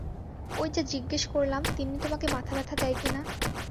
ঐ যে জিজ্ঞেস করলাম, তিন্নি তোমাকে মাথাব্যথা দেয় কি না।